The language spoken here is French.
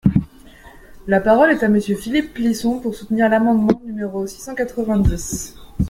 La parole est à Monsieur Philippe Plisson, pour soutenir l’amendement numéro six cent quatre-vingt-dix.